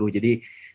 jadi tahun lalu